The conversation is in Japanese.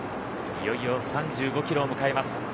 いよいよ３５キロを迎えます。